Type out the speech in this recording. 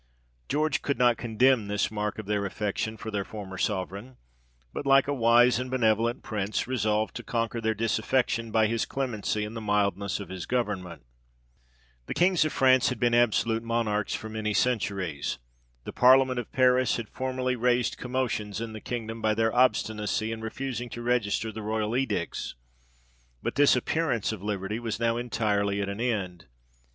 George could not condemn this mark of their affection for their former sovereign ; but like a wise and benevolent Prince, resolved to conquer their disaffection by his clemency and the mildness of his government. 102 THE REIGN OF GEORGE VI. The Kings of France had been absolute Monarchs for many centuries : the parliament of Paris had formerly raised commotions in the kingdom, by their obstinacy in refusing to register the royal edicts ; but this appearance of liberty was now entirely at an end.